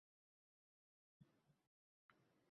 Mirzaxo‘jaboyni bevasi jonsarak-jonsarak boqdi.